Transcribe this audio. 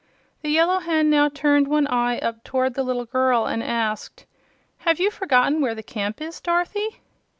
The Yellow Hen now turned one eye up toward the little girl and asked: "Have you forgotten where the camp is, Dorothy?"